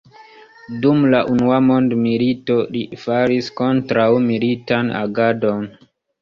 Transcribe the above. Dum la unua mondmilito, li faris kontraŭ-militan agadon.